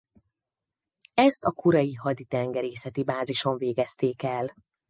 Ezt a kurei haditengerészeti bázison végezték el.